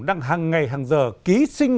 đang hằng ngày hằng giờ ký sinh